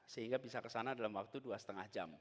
sehingga bisa kesana dalam waktu dua lima jam